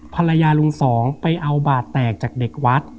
ภรรยาลุงสองไปเอาบาดแตกจากเด็กวัด